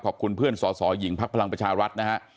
ขอบคุณเพื่อนสสหญิงพักพลังประชารัฐนะฮะ